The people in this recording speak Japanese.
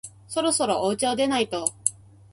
そろそろおうちを出ないと